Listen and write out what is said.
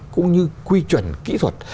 cũng như quy chuẩn kỹ thuật